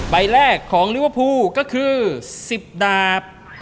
ใบแรกของลิวอภูก็คือ๑๐ดาบ